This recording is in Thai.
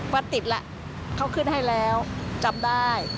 ว่าติดแล้วเขาขึ้นให้แล้วจำได้